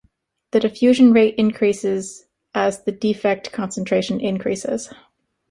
The diffusion rate increases as the defect concentration increases.